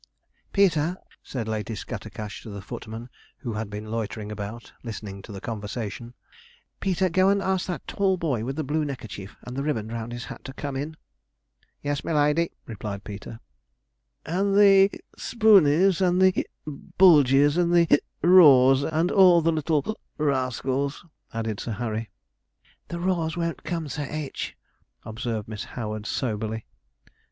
'Peter,' said Lady Scattercash to the footman, who had been loitering about, listening to the conversation, 'Peter, go and ask that tall boy with the blue neckerchief and the riband round his hat to come in.' 'Yes, my lady,' replied Peter. 'And the Spooneys, and the Bulgeys, and the Raws, and all the little rascals,' added Sir Harry. 'The Raws won't come. Sir H.,' observed Miss Howard soberly.